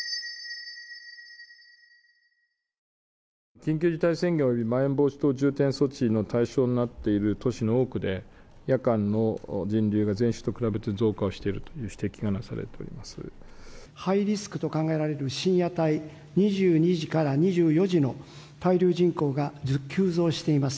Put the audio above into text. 緊急事態宣言およびまん延防止等重点措置の対象になっている都市の多くで、夜間の人流が前週と比べて増加をしているという指摘がなされておハイリスクと考えられる深夜帯、２２時から２４時の滞留人口が急増しています。